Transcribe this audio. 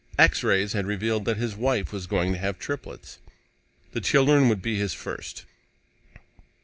X rays had revealed that his wife was going to have triplets. The children would be his first.